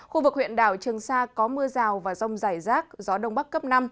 huyện đào trường sa có mưa rào và rông dài rác gió đông bắc cấp năm